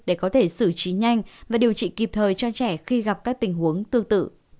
để có thể xử trí nhanh và điều trị kịp thời cho trẻ khi gặp các tình huống tương tự